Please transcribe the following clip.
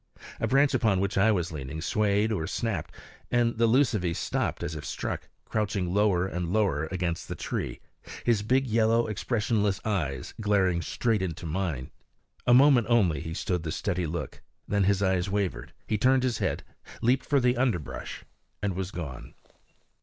A branch upon which I was leaning swayed or snapped, and the lucivee stopped as if struck, crouching lower and lower against the tree, his big yellow expressionless eyes glaring straight into mine. A moment only he stood the steady look; then his eyes wavered; he turned his head, leaped for the underbrush, and was gone.